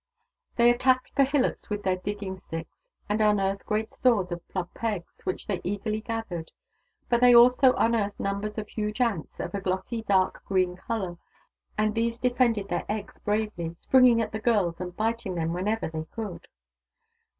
They attacked the hillocks with their digging sticks, and unearthed great stores of plump eggs, which they eagerly gathered. But they also unearthed numbers of huge ants of a glossy dark green colour, and these defended their eggs bravely, springing at the girls and biting them whenever they could.